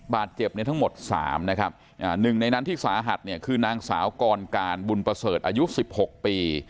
บาดเจ็บเนี่ยทั้งหมด๓นะครับหนึ่งในนั้นที่สาหัสเนี่ยคือนางสาวกรการบุญประเสริฐอายุ๑๖ปี